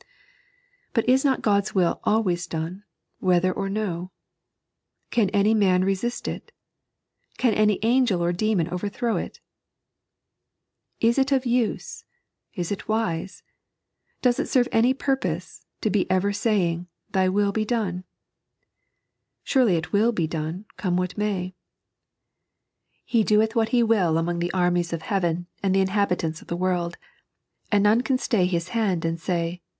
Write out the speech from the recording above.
" But is not Ood's will always done, whether or no } Can any man resist it f Can any angel or demon overthrow it 1 Is it of use, is it wise, does it serve any purpose, to be ever saying " Thy will be done "} Surely it will be done, come what may, " He doeth what He will among the armies of heaven and the inhabitants of the world, and none can stay His hand and say.